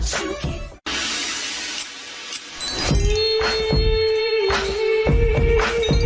สุดท้าย